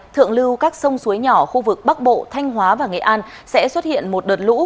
thượng lưu các sông suối nhỏ khu vực bắc bộ thanh hóa và nghệ an sẽ xuất hiện một đợt lũ